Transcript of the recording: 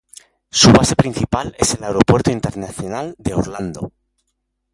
Su base principal es el Aeropuerto Internacional de Orlando.